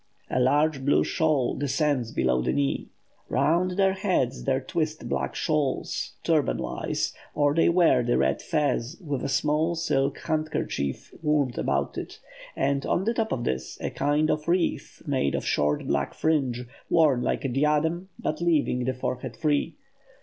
A large blue shawl descends below the knee. Round their heads they twist black shawls, turban wise, or they wear the red fez, with a small silk handkerchief wound about it; and on the top of this, a kind of wreath made of short black fringe, worn like a diadem, but leaving the forehead free.